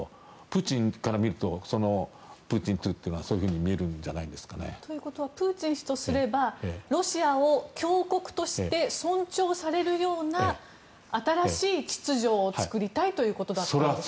プーチンから見るとプーチン２というのはそう見えるんじゃないですかね。ということはプーチン氏とすればロシアを強国として尊重されるような新しい秩序を作りたいということだったんですか。